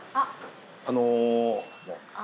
あの。